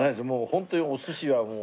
ホントにお寿司はもう。